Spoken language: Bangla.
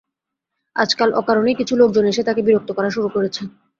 আজকাল অকারণেই কিছু লোকজন এসে তাঁকে বিরক্ত করা শুরু করেছে।